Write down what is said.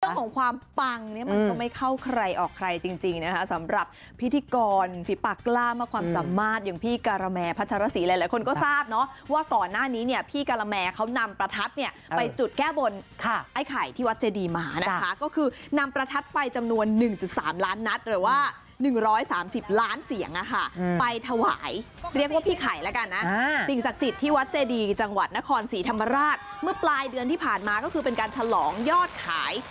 เรื่องของความปังเนี้ยมันก็ไม่เข้าใครออกใครจริงจริงนะคะสำหรับพิธีกรฟิปักล่ามาความสามารถอย่างพี่การแมพัชรสีหลายหลายคนก็ทราบเนอะว่าก่อนหน้านี้เนี้ยพี่การแมเขานำประทัดเนี้ยไปจุดแก้บนค่ะไอ้ไข่ที่วัดเจดีมหาน่ะค่ะก็คือนำประทัดไปจำนวนหนึ่งจุดสามล้านนัดหรือว่าหนึ่งร้อยสาม